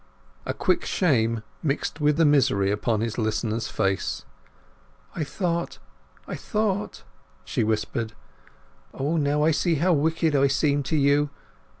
A quick shame mixed with the misery upon his listener's face. "I thought—I thought," she whispered. "O, now I see how wicked I seem to you!